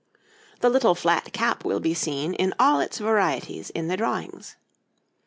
}] The little flat cap will be seen in all its varieties in the drawings.